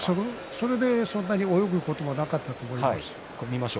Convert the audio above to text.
それでそんなに泳ぐことはなかったんだと思います。